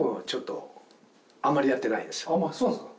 あんまりそうなんですか